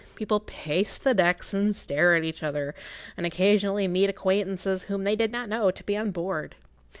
People pace the decks and stare at each other, and occasionally meet acquaintances whom they did not know to be on board.